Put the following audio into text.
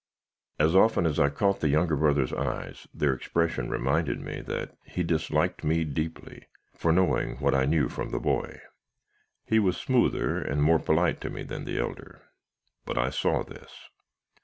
As often as I caught the younger brother's eyes, their expression reminded me that he disliked me deeply, for knowing what I knew from the boy. He was smoother and more polite to me than the elder; but I saw this.